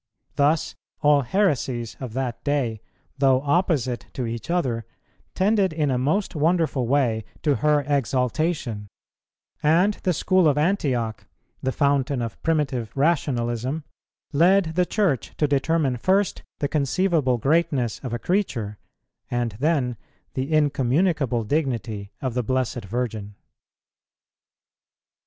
Thus all heresies of that day, though opposite to each other, tended in a most wonderful way to her exaltation; and the School of Antioch, the fountain of primitive rationalism, led the Church to determine first the conceivable greatness of a creature, and then the incommunicable dignity of the Blessed Virgin.